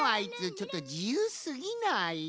ちょっとじゆうすぎない？